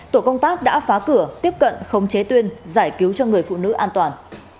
tổ công tác đã phá cửa tiếp cận khống chế tuyên giải cứu cho người phụ nữ an toàn